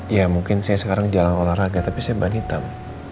ya mungkin saya sekarang jalan olahraga tapi saya ban hitam